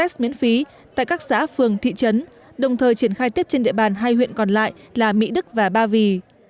test miễn phí tại các xã phường thị trấn đồng thời triển khai tiếp trên địa bàn hai huyện còn lại là mỹ đức và ba vì